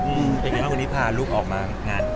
เป็นไงบ้างวันนี้พาลูกออกมางาน